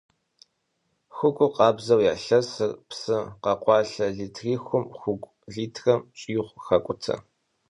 Хугур къабзэу ялъэсыр, псы къэкъуалъэ литритхум хугуу литрэм щӏигъу хакӏутэ.